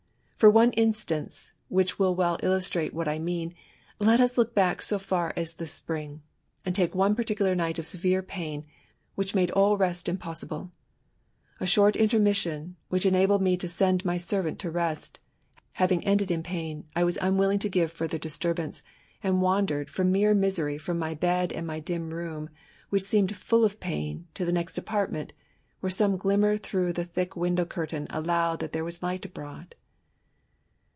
Por one instance, which will well illustrate what I mean, let us look back so far as the Spring, and take one particular night of severe pain, which made all rest inlpossible. A short intermission, which enabled me to send my servant to rest, having ended in pain, I was unwilling to give fiirther disturbance, and wandered, from mere misery, from my bed. and my dim room, which O EMATB. «eemed fiill of pain^ to the next apartment, where some glimmer through the thick window curtain showed that there was light abroad.